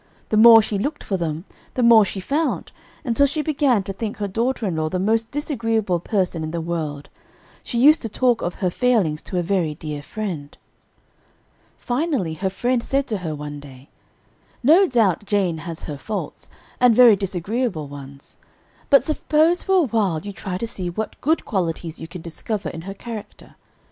The more she looked for them, the more she found, until she began to think her daughter in law the most disagreeable person in the world. She used to talk of her failings to a very dear friend. "Finally, her friend said to her one day, 'No doubt Jane has her faults, and very disagreeable ones, but suppose for awhile you try to see what good qualities you can discover in her character.